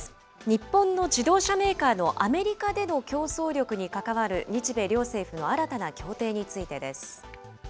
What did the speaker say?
日本の自動車メーカーのアメリカでの競争力に関わる、日米両政府の新たな協定についてです。